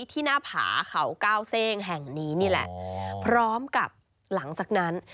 ที่หน้าผาเขาเก้าเซ่งแห่งนี้นี่แหละพร้อมกับหลังจากนั้น